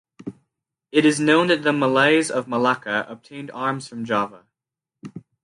It is known that the Malays of Malacca obtained arms from Java.